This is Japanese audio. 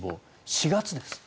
４月です。